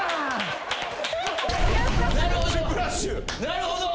なるほど。